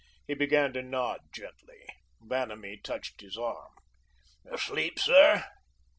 He began to nod gently. Vanamee touched his arm. "Asleep, sir?"